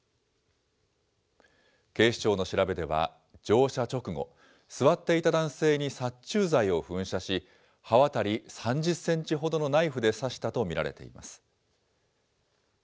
警視庁の調べでは、乗車直後、座っていた男性に殺虫剤を噴射し、刃渡り３０センチほどのナイフで刺したと見られています。